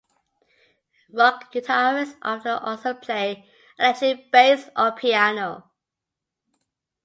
Rock guitarists often also play electric bass or piano.